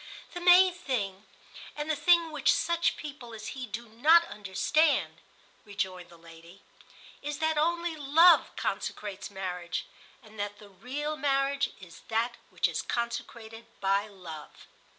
... "The main thing, and the thing which such people as he do not understand," rejoined the lady, "is that only love consecrates marriage, and that the real marriage is that which is consecrated by love."